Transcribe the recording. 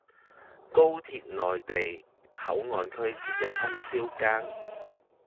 高鐵內地口岸區設有通宵更